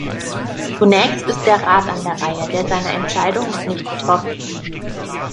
Zunächst ist der Rat an der Reihe, der seine Entscheidung noch nicht getroffen hat.